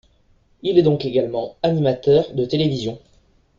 Il est donc également animateur de télévision.